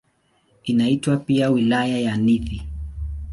Inaitwa pia "Wilaya ya Nithi".